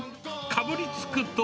かぶりつくと。